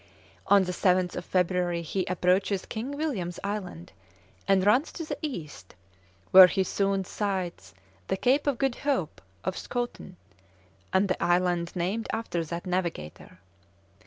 On the 7th of February he approaches King William's Island and runs to the east, where he soon sights the Cape of Good Hope of Schouten, and the island named after that navigator.